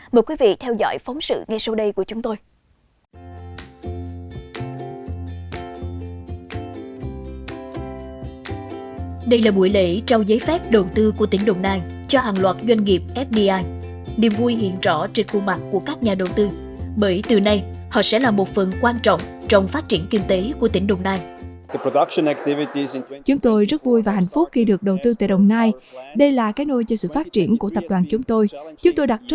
mời quý vị theo dõi phóng sự ngay sau đây của chúng tôi